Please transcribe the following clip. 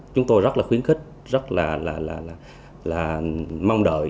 chúng tôi rất là khuyến khích rất là mong đợi